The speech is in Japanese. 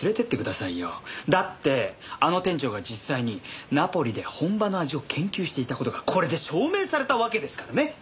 だってあの店長が実際にナポリで本場の味を研究していた事がこれで証明されたわけですからね。